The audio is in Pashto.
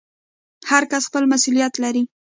هر کس خپل مسوولیت لري